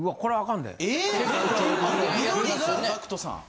緑がＧＡＣＫＴさん。